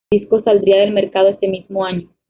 El disco saldría al mercado ese mismo año.